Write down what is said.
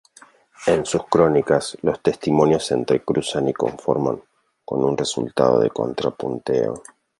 En sus crónicas, los testimonios se entrecruzan y confrontan, con un resultado de contrapunteo.